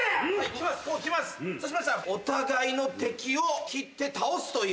そうしましたらお互いの敵を斬って倒すという。